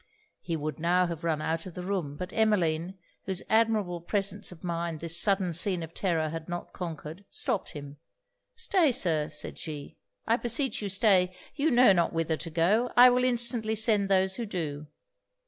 He would now have run out of the room; but Emmeline, whose admirable presence of mind this sudden scene of terror had not conquered, stopped him. 'Stay, Sir,' said she, 'I beseech you, stay. You know not whither to go. I will instantly send those who do.'